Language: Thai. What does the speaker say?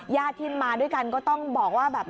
ญาติที่มาด้วยกันก็ต้องบอกว่าแบบ